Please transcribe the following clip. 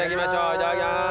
いただきます。